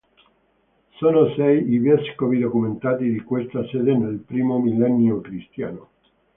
Sono sei i vescovi documentati di questa sede nel primo millennio cristiano.